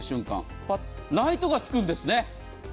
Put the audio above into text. パッライトがつくんですね。